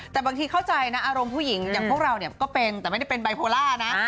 แต่บางทีเข้าใจนะอารมณ์ผู้หญิงอย่างพวกเราก็เป็นแต่ไม่ได้เป็นไบโพล่านะ